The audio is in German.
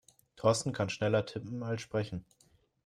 Thorsten kann schneller tippen als sprechen.